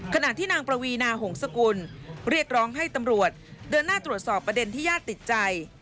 ขณะที่นางปวีนาหงษกุลเรียกร้องให้ตำรวจเดินหน้าตรวจสอบประเด็นที่ญาติติดใจ